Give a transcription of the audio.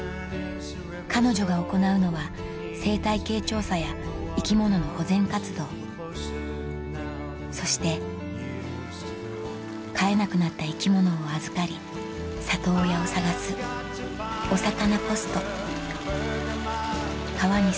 彼女が行うのは生態系調査や生き物の保全活動そして飼えなくなった生き物を預かり里親を探すこれ！